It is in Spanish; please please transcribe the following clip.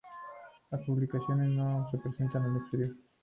Las publicaciones no se prestan al exterior.